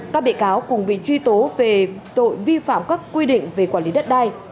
các bị cáo cùng bị truy tố về tội vi phạm các quy định về quản lý đất đai